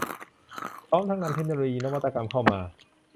พร้อมทั้งนำเทคโนโลยีนวัตกรรมเข้ามา